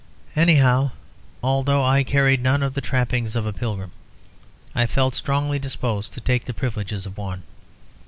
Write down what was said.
Anyhow, although I carried none of the trappings of a pilgrim I felt strongly disposed to take the privileges of one.